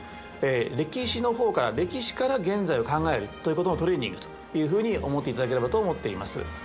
歴史の方から歴史から現在を考えるということのトレーニングというふうに思っていただければと思っています。